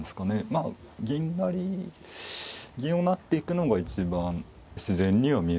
まあ銀成銀を成っていくのが一番自然には見えますね。